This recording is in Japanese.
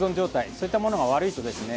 そういったものが悪いとですね